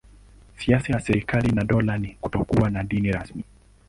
Siasa ya serikali na dola ni kutokuwa na dini rasmi.